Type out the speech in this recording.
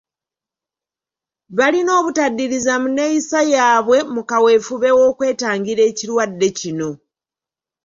Balina obutaddiriza mu nneeyisa yaabwe mu kaweefube w’okwetangira ekirwadde kino.